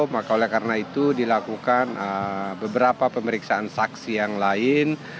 makanya karena itu dilakukan beberapa pemeriksaan saksi yang lain